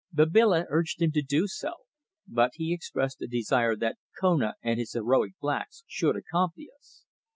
Babila urged him to do so, but he expressed a desire that Kona and his heroic blacks should accompany us.